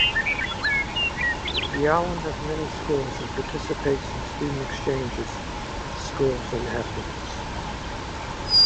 The island has many schools and participates in student exchanges with schools in Athens.